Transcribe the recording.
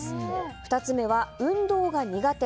２つ目は運動が苦手。